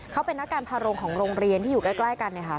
เขาเป็นนักการพาโรงของโรงเรียนที่อยู่ใกล้กันเนี่ยค่ะ